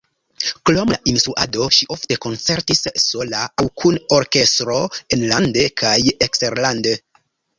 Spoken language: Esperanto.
Krom la instruado ŝi ofte koncertis sola aŭ kun orkestro enlande kaj eksterlande.